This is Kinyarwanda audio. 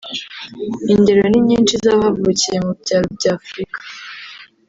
Ingero ni nyinshi z’abavukiye mu byaro bya Afurika